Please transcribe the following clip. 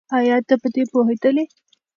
ايا ته په دې پوهېدلې؟